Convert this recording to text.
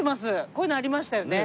こういうのありましたよね。